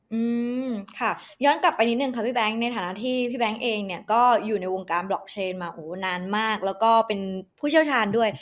อืมค่ะย้อนกลับไปนิดนึงค่ะพี่แบงค์ในฐานะที่พี่แบงค์เองเนี่ยก็อยู่ในวงการบล็อกเชนมาโหนานมากแล้วก็เป็นผู้เชี่ยวชาญด้วย